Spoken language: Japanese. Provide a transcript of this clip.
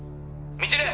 未知留！